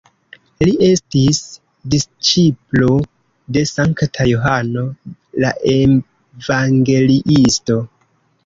Li estis disĉiplo de Sankta Johano la Evangeliisto.